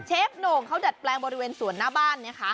โหน่งเขาดัดแปลงบริเวณสวนหน้าบ้านนะคะ